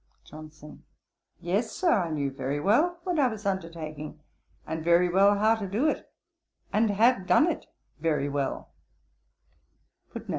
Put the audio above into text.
JOHNSON. 'Yes, Sir, I knew very well what I was undertaking, and very well how to do it, and have done it very well.'